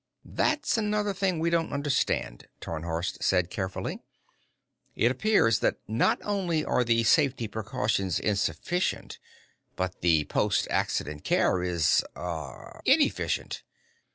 "That's another thing we don't understand," Tarnhorst said carefully. "It appears that not only are the safety precautions insufficient, but the post accident care is ... er ... inefficient."